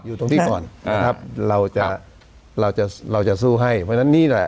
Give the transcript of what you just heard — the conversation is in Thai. อยู่ตรงนี้ก่อนนะครับเราจะเราจะเราจะสู้ให้เพราะฉะนั้นนี่แหละ